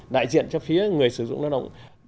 đại diện cho phía người sử dụng lao động